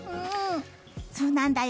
そうなんだよ！